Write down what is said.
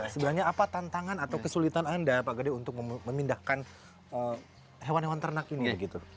sebenarnya apa tantangan atau kesulitan anda pak gede untuk memindahkan hewan hewan ternak ini begitu